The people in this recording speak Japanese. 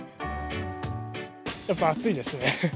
やっぱ暑いですね。